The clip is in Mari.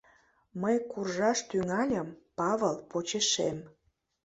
Мый куржаш тӱҥальым, Павыл — почешем...